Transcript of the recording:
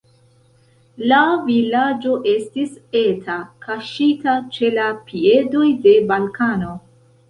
La vilaĝo estis eta, kaŝita ĉe la piedoj de Balkano.